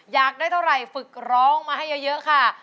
อยากได้เท่าไหร่ฝึกร้องมาให้เยอะค่ะ